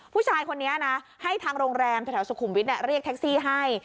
ผู้ชายคนนี้นะให้ทางโรงแรมแถวสุขุมวิทย์เรียกแท็กซี่ให้